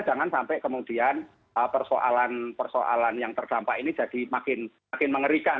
jangan sampai kemudian persoalan persoalan yang terdampak ini jadi makin mengerikan